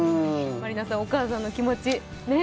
満里奈さん、お母さんの気持ち。